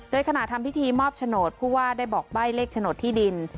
โดยขณะทำพิธีมอบโฉนดผู้ว่าได้บอกใบ้เลขโฉนดที่ดิน